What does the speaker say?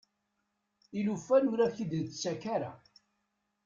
I lufan ur ak-t-id-tettakk ara.